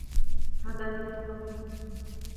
هذا ليس واضحا.